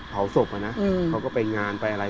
เผาศพอะนะเขาก็ไปงานไปอะไร